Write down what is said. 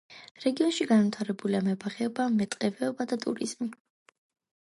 რეგიონში განვითარებულია მებაღეობა, მეტყევეობა და ტურიზმი.